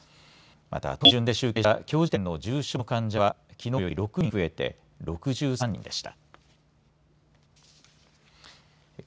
また、都の基準で集計した、きょう時点の重症の患者は、きのうより６人増えて、６３人でした。